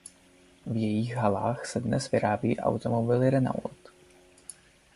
V jejích halách se dnes vyrábějí automobily Renault.